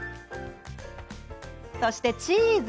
そして、チーズ。